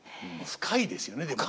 深いですよねでも。